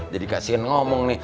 jadi kasih ngomong nih